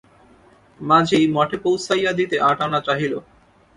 মাঝি মঠে পৌঁছাইয়া দিতে আট আনা চাহিল।